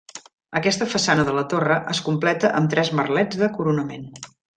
Aquesta façana de la torre es completa amb tres merlets de coronament.